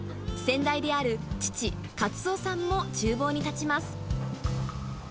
先代である父、捷男さんもちゅう房に立ちます。